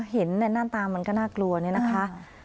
เห็นหน้าตามันก็น่ากลัวเนี่ยนะคะ